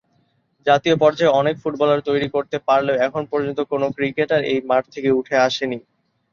জাতীয় পর্যায়ে অনেক ফুটবলার তৈরি করতে পারলেও এখন পর্যন্ত কোন ক্রিকেটার এই মাঠ থেকে উঠে আসে নি।